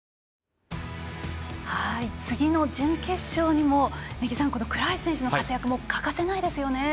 次の準決勝にも倉橋選手の活躍も欠かせないですよね。